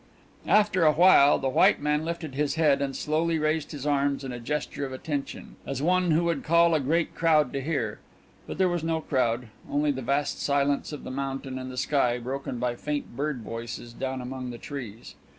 After a while the white man lifted his head and slowly raised his arms in a gesture of attention, as one who would call a great crowd to hear but there was no crowd, only the vast silence of the mountain and the sky, broken by faint bird voices down among the trees.